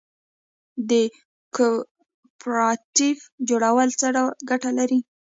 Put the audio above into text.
د کوپراتیف جوړول څه ګټه لري؟